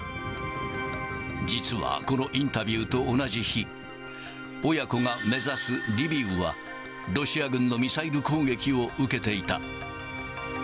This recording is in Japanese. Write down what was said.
実はこのインタビューと同じ日、親子が目指すリビウは、ロシア軍のミサイル攻撃を受けていた。